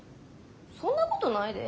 そんなことないで。